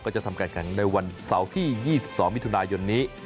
จะทำการแข่งในวันเสาร์ที่๒๒มิถุนายนนี้